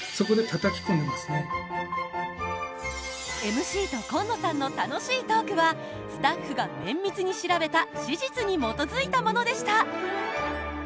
ＭＣと今野さんの楽しいトークはスタッフが綿密に調べた史実に基づいたものでした。